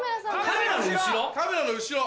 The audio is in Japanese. カメラの後ろ？